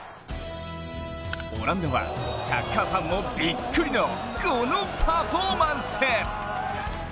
オランダはサッカーファンもびっくりのこのパフォーマンス。